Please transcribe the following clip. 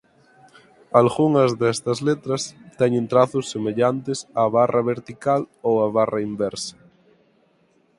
Algunhas destas letras teñen trazos semellantes á barra vertical ou á barra inversa.